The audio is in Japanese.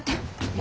何？